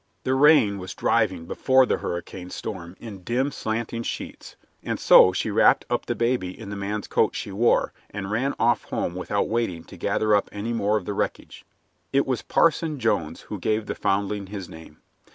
The rain was driving before the hurricane storm in dim, slanting sheets, and so she wrapped up the baby in the man's coat she wore and ran off home without waiting to gather up any more of the wreckage. It was Parson Jones who gave the foundling his name.